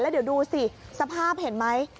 เดี๋ยวดูสิสภาพเห็นไหม